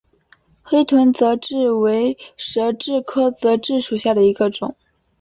黑臀泽蛭为舌蛭科泽蛭属下的一个种。